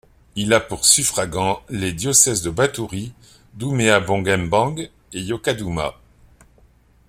Il a pour suffragants les diocèses de Batouri, Doumé-Abong-Mbang et Yokadouma.